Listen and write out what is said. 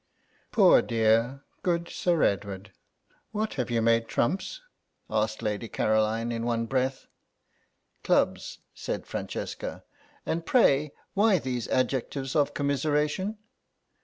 "Poor dear, good Sir Edward. What have you made trumps?" asked Lady Caroline, in one breath. "Clubs," said Francesca; "and pray, why these adjectives of commiseration?"